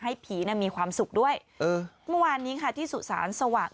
ให้ผีน่ะมีความสุขด้วยเออเมื่อวานนี้ค่ะที่สุสานสว่าง